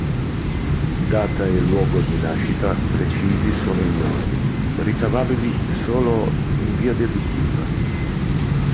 Data e luogo di nascita precisi sono ignoti, ricavabili solo in via deduttiva.